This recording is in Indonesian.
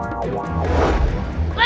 tunggu jangan lari